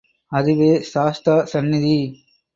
அதுவே சாஸ்தா சந்நிதி.